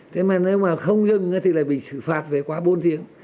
thế mà nếu mà không dừng thì lại bị xử phạt về quá bốn tiếng